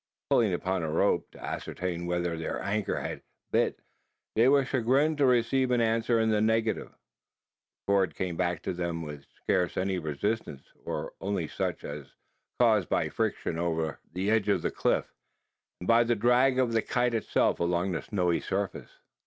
Pulling upon the rope, to ascertain whether their anchor had "bit," they were chagrined to receive an answer in the negative. The cord came back to them with scarce any resistance; or only such, as was caused by friction over the edge of the cliff, and by the drag of the kite itself along the snowy surface.